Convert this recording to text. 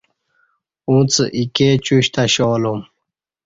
ا ݩڅ ایکے چیوشت اشالوم